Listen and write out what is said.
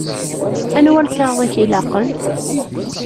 Anwa lkaɣeḍ i k-ilaqen?